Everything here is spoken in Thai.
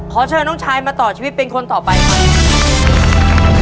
ขอเชิญน้องชายมาต่อชีวิตเป็นคนต่อไปครับ